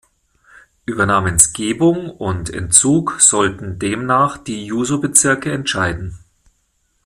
Über Namensgebung und -entzug sollten demnach die Juso-Bezirke entscheiden.